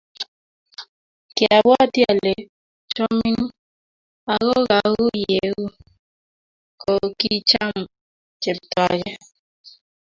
ki obwoti ale chomin, ako kou yeu, kokicham chepto age